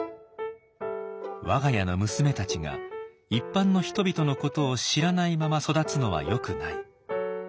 「我が家の娘たちが一般の人々のことを知らないまま育つのはよくない」。